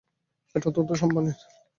এটা অত্যন্ত সম্মানের।